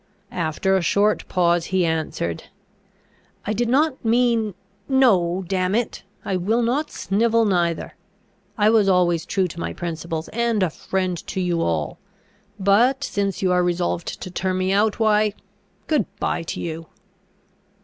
After a short pause, he answered, "I did not mean No, damn it! I will not snivel neither. I was always true to my principles, and a friend to you all. But since you are resolved to turn me out, why good bye to you!"